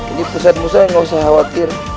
ini pusatmu saya gak usah khawatir